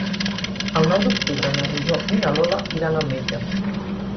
El nou d'octubre na Rosó i na Lola iran al metge.